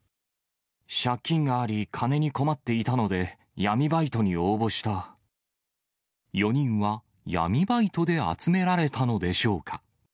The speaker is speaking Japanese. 借金があり、金に困っていた４人は闇バイトで集められたのでしょうか。